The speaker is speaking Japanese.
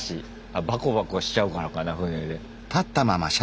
あバコバコしちゃうからかな船で。